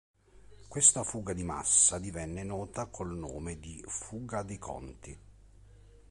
Questa fuga di massa divenne nota col nome di "Fuga dei Conti".